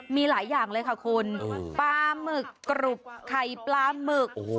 มีหลายอย่างเลยค่ะคุณปลาหมึกกรุบไข่ปลาหมึก